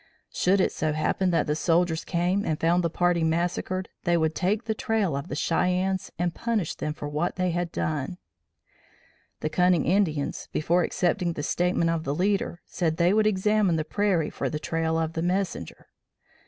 Should it so happen that the soldiers came and found the party massacred, they would take the trail of the Cheyennes and punish them for what they had done. The cunning Indians, before accepting the statement of the leader, said they would examine the prairie for the trail of the messenger.